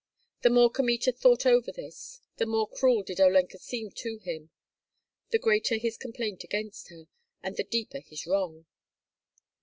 The more Kmita thought over this, the more cruel did Olenka seem to him, the greater his complaint against her, and the deeper his wrong.